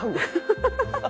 ハハハハ！